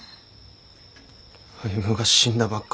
歩が死んだばっか